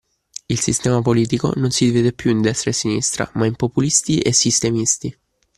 Il sistema politico non si divide più in destra e sinistra, ma in populisti e sistemisti.